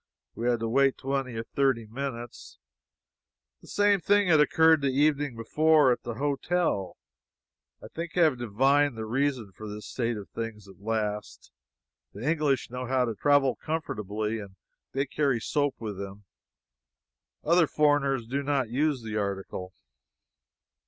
We had to wait twenty or thirty minutes. The same thing had occurred the evening before, at the hotel. I think I have divined the reason for this state of things at last. The English know how to travel comfortably, and they carry soap with them; other foreigners do not use the article.